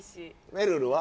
めるるは？